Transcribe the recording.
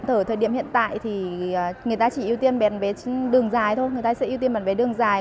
ở thời điểm hiện tại thì người ta chỉ ưu tiên bán vé đường dài thôi